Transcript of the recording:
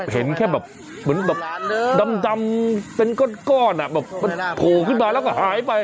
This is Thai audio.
เห็นแค่แบบเหมือนแบบดำดำอ่ะแบบผูกขึ้นมาแล้วก็หายไป